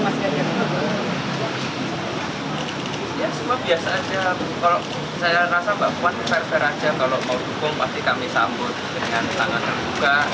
pasti kami sambut dengan tangan terbuka